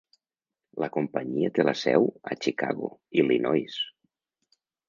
La companyia té la seva seu a Chicago, Illinois.